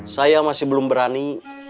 saya masih belum berani